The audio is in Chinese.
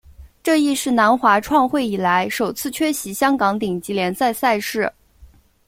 这亦是南华创会以来首次缺席香港顶级联赛赛事。